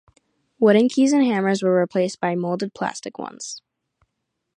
Wooden keys and hammers were replaced by moulded plastic ones.